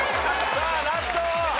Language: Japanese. さあラスト！